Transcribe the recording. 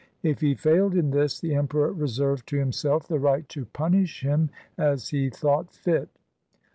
If he failed in this, the Emperor reserved to himself the right to punish him as he thought fit.